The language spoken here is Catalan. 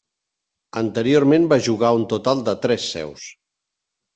Anteriorment va jugar a un total de tres seus.